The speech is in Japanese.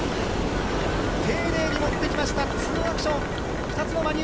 丁寧に乗ってきました、２アクション。